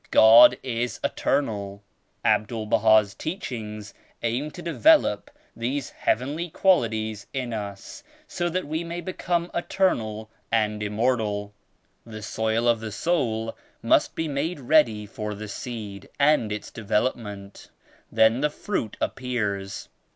God is eternal. Abdul Baha's Teachings aim to develop these heavenly quali ties in us so that we may become eternal and im mortal. The soil of the soul must be made ready for the seed and its development; then the fruit appears.